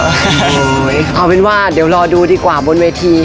ก็เป็นว่าเดี๋ยวรอดูดีกว่าบนเวที